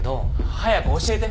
早く教えて。